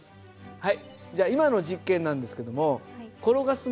はい。